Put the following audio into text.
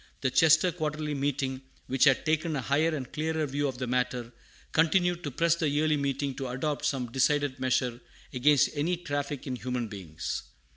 The Chester Quarterly Meeting, which had taken a higher and clearer view of the matter, continued to press the Yearly Meeting to adopt some decided measure against any traffic in human beings.